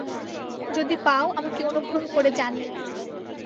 যদি পাও, আমাকে অনুগ্রহ করে জানিও।